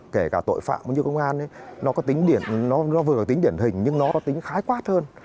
kể cả tội phạm cũng như công an ấy nó vừa có tính điển hình nhưng nó có tính khái quát hơn